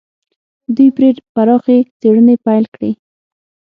دوی پرې پراخې څېړنې پيل کړې.